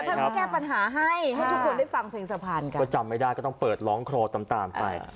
ฉันคงจะเป็นสะพาน